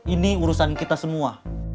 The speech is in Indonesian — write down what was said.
ini urusan kita semua